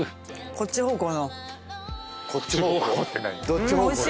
どっち方向？